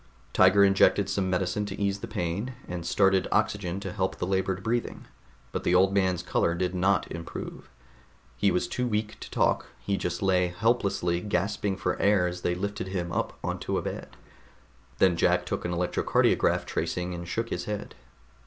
Tiger injected some medicine to ease the pain, and started oxygen to help the labored breathing, but the old man's color did not improve. He was too weak to talk; he just lay helplessly gasping for air as they lifted him up onto a bed. Then Jack took an electrocardiograph tracing and shook his head.